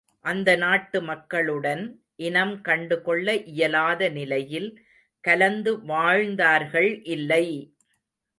அந்தந்த நாட்டு மக்களுடன் இனம் கண்டு கொள்ள இயலாத நிலையில் கலந்து வாழ்ந்தார்கள் இல்லை!